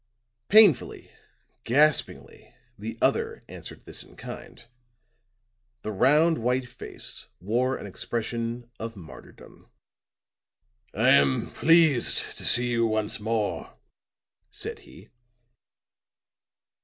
Painfully, gaspingly the other answered this in kind. The round white face wore an expression of martyrdom. "I am pleased to see you once more," said he.